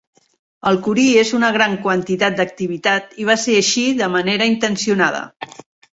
El curie es una gran quantitat d'activitat, i va ser així de manera intencionada.